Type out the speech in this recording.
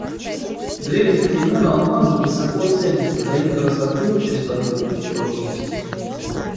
С древних времен алмазы высоко ценятся за их красоту, чистоту и прочность.